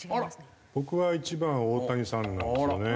僕は１番は大谷さんなんですよね。